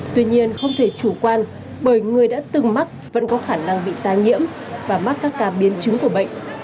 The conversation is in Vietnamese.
tuy nhiên không thể chủ quan bởi người đã từng mắc vẫn có khả năng bị tai nhiễm và mắc các ca biến chứng của bệnh